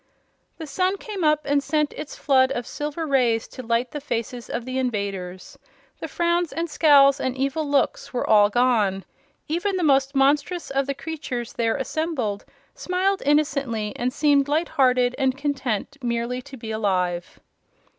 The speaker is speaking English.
The sun came up and sent its flood of silver rays to light the faces of the invaders. The frowns and scowls and evil looks were all gone. Even the most monstrous of the creatures there assembled smiled innocently and seemed light hearted and content merely to be alive.